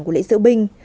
của lễ diễu binh